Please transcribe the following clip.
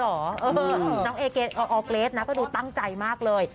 เออน้องเอเกรดเอาเกรดนะก็ดูตั้งใจมากเลย